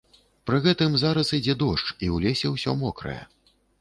Пры гэтым зараз ідзе дождж і ў лесе ўсё мокрае.